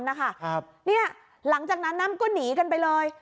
เนี่ยหลังจากนั้นน้ำก็หนีกันไปเลย